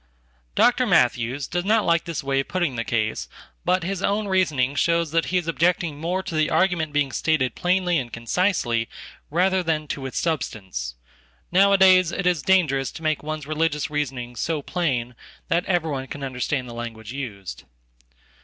Dr. Matthews does not like this way of putting the case, but hisown reasoning shows that he is objecting more to the argument beingstated plainly and concisely rather than to its substance. Nowadaysit is dangerous to make one's religious reasoning so plain thateveryone can understand the language used.